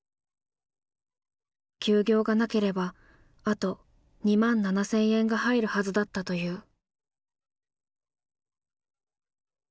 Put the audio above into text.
休業がなければあと２万７，０００円が入るはずだったという。